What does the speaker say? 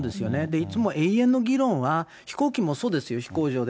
いつも永遠の議論は、飛行機もそうですよ、飛行場で。